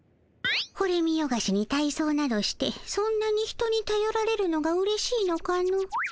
これ見よがしに体そうなどしてそんなに人にたよられるのがうれしいのかの。